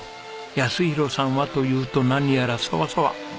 泰弘さんはというと何やらソワソワ。